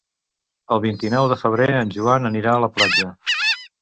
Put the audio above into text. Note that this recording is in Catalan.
El vint-i-nou de febrer en Joan anirà a la platja.